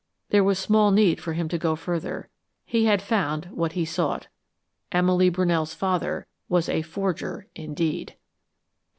There was small need for him to go further. He had found what he sought. Emily Brunell's father was a forger indeed!